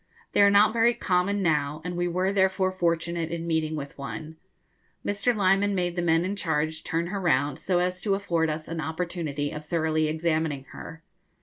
They are not very common now, and we were therefore fortunate in meeting with one. Mr. Lyman made the men in charge turn her round, so as to afford us an opportunity of thoroughly examining her.